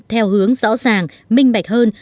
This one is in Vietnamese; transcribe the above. theo hướng rõ ràng minh bạch hơn